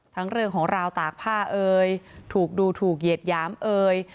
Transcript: เรื่องของราวตากผ้าเอ่ยถูกดูถูกเหยียดหยามเอย